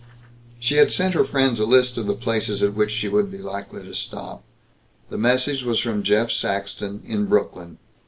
She had sent her friends a list of the places at which she would be likely to stop. The message was from Jeff Saxton, in Brooklyn.